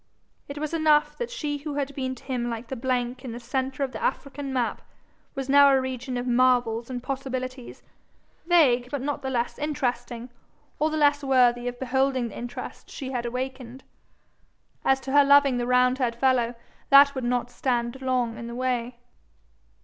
It was enough that she who had been to him like the blank in the centre of the African map, was now a region of marvels and possibilities, vague but not the less interesting, or the less worthy of beholding the interest she had awaked. As to her loving the roundhead fellow, that would not stand long in the way.